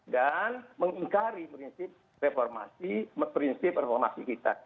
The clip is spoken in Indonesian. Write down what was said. dan mengingkari prinsip reformasi prinsip reformasi kita